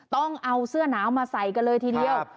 ต้องเอาเสื้อหนาวมาใส่กันเลยทีเดียว